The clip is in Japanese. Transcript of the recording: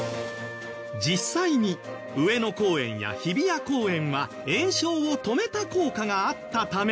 実際に上野公園や日比谷公園は延焼を止めた効果があったため。